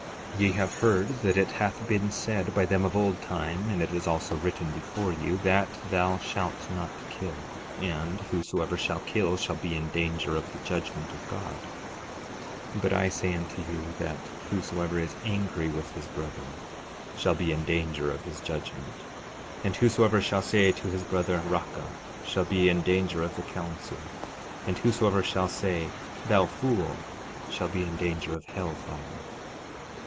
12:21 Ye have heard that it hath been said by them of old time, and it is also written before you, that thou shalt not kill, and whosoever shall kill shall be in danger of the judgment of God; 12:22 But I say unto you, that whosoever is angry with his brother shall be in danger of his judgment. And whosoever shall say to his brother, Raca, shall be in danger of the council; and whosoever shall say, Thou fool, shall be in danger of hell fire.